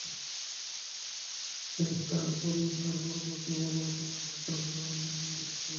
সে তার পরিবারবর্গকে বলল, তোমরা অপেক্ষা কর, আমি আগুন দেখেছি।